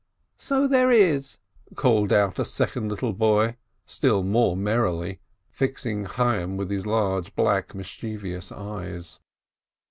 "So there is !" called out a second little boy, still more merrily, fixing Chayyim with his large, black, mischievous eyes.